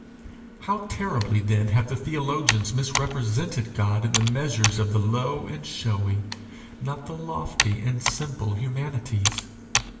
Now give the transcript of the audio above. How terribly, then, have the theologians misrepresented God in the measures of the low and showy, not the lofty and simple humanities!